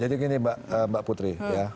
jadi gini mbak putri